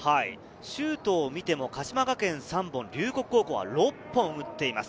シュートを見ても鹿島学園３本、龍谷高校６本です。